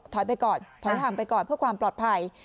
ไปก่อนถอยห่างไปก่อนเพื่อความปลอดภัย